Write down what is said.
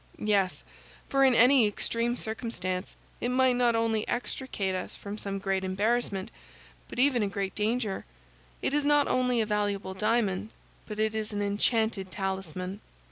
"Yes, for in any extreme circumstance it might not only extricate us from some great embarrassment, but even a great danger. It is not only a valuable diamond, but it is an enchanted talisman."